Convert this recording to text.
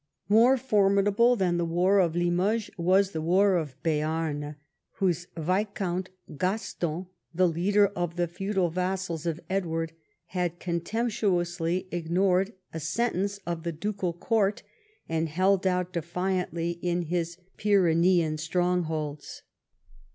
More formidable than the war of Limoges was the war of Beam, whose Viscount Gaston, the leader of the feudal vassals of Edward, had contemptuously ignored a sentence of the ducal court, and held out defiantly in his Pyrenean strongholds.